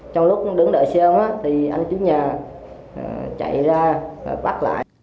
trong lúc đứng đợi xe ôm anh chú nhà chạy ra và bắt lại